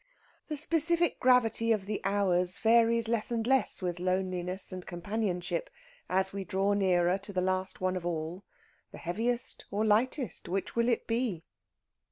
The specific gravity of the hours varies less and less with loneliness and companionship as we draw nearer to the last one of all the heaviest or lightest, which will it be?